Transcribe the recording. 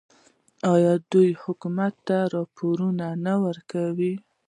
آیا دوی حکومت ته راپورونه نه ورکوي؟